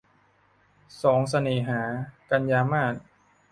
สองเสน่หา - กันยามาส